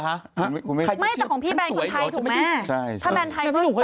แต่ของพี่แบรนด์คนไทยถูกไหม